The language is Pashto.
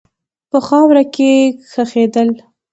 په خاوره کښې خښېدل